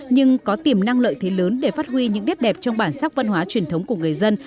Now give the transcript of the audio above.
nhưng có tiềm năng lợi thế lớn để phát huy những nét đẹp trong bản sắc văn hóa truyền thống của người dân